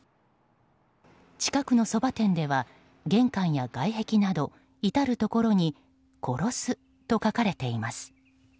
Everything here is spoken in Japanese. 近くのそば店では玄関や外壁など至るところに「殺す」と書かれています。